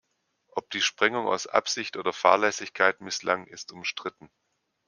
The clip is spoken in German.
Ob die Sprengung aus Absicht oder Fahrlässigkeit misslang, ist umstritten.